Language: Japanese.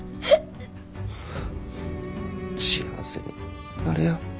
幸せになれよ。